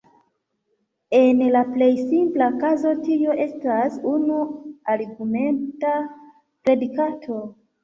En la plej simpla kazo, tio estas unu-argumenta predikato.